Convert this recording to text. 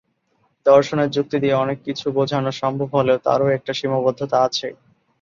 দর্শনের যুক্তি দিয়ে অনেক কিছু বোঝানো সম্ভব হলেও তারও একটা সীমাবদ্ধতা আছে।